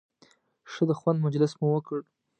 ښه د خوند مجلس مو وکړ.